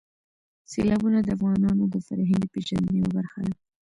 سیلابونه د افغانانو د فرهنګي پیژندنې یوه برخه ده.